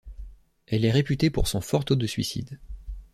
Elle est réputée pour son fort taux de suicide.